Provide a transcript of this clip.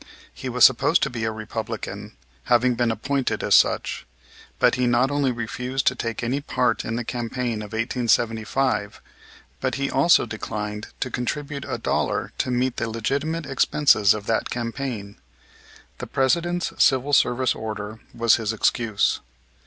He was supposed to be a Republican, having been appointed as such. But he not only refused to take any part in the campaign of 1875, but he also declined to contribute a dollar to meet the legitimate expenses of that campaign. The President's Civil Service order was his excuse.